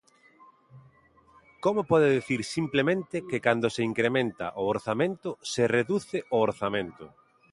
¿Como pode dicir simplemente que cando se incrementa o orzamento se reduce o orzamento?